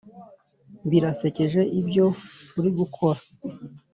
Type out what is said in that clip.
Birasekeje ibyo uri gukora!